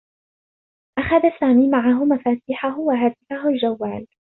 أخذ سامي معه مفاتيحه و هاتفه الجوّال.